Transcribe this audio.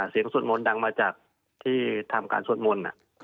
สวดมนต์ดังมาจากที่ทำการสวดมนต์